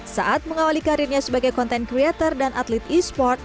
saat mengawali karirnya sebagai content creator dan atlet e sport